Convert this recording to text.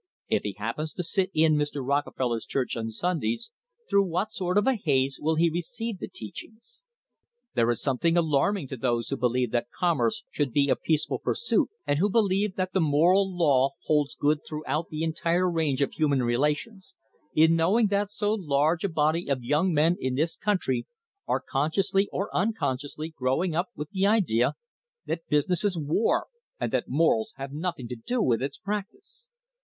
If he happens to sit in Mr. Rockefeller's church on Sundays, through what sort of a haze will he re ceive the teachings? There is something alarming to those who believe that commerce should be a peaceful pursuit, and who believe that the moral law holds good throughout the entire range of human relations, in knowing that so large a body of young men in this country are consciously or uncon [291 ] THE HISTORY OF THE STANDARD OIL COMPANY sciously growing up with the idea that business is war and that morals have nothing to do with its practice.